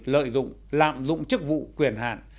lợi dụng lạm dụng chức vụ quyền hạn